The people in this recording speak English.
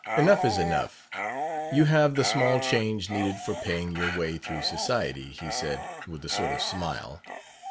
Enough is enough. 'You have the small change needed for paying your way through society,' he said, with a sort of smile.